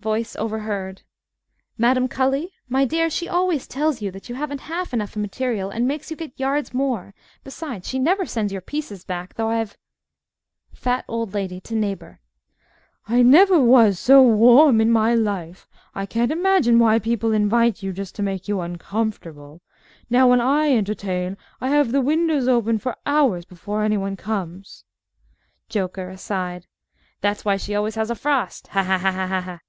_) VOICE (overheard) Madame Cully? My dear, she always tells you that you haven't half enough material, and makes you get yards more. Besides, she never sends your pieces back, though I have FAT OLD LADY (to neighbor) I never was so warm in my life! I can't imagine why people invite you, just to make you uncomfortable. Now, when I entertain, I have the windows open for hours before any one comes. JOKER (aside) That's why she always has a frost! Ha, ha!